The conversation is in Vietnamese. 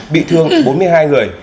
bị thương bốn mươi hai người